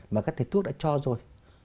mà các thầy thuốc đã cho rồi